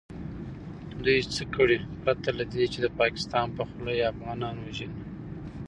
دوئ څه کړي پرته له دې چې د پاکستان په خوله يې افغانان وژلي .